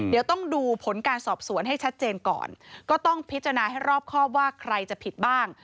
เดี๋ยวต้องดูผลการสอบสวนให้ชัดเจนก่อนก็ต้องพิจารณาให้รอบครอบว่าใครจะผิดบ้าง